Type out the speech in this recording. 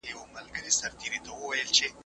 ویټامین اې د سترګو لپاره مهم دی.